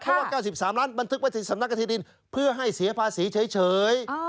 เพราะว่า๙๓ล้านมันทึกไว้สำนักจริงเพื่อให้เสียภาษีเฉย